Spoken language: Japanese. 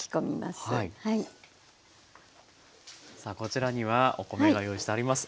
さあこちらにはお米が用意してあります。